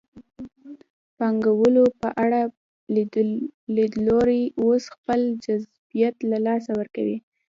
د پانګوالو په اړه لیدلوري اوس خپل جذابیت له لاسه ورکړی.